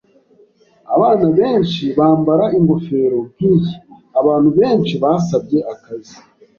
Abana benshi bambara ingofero nkiyi. Abantu benshi basabye akazi.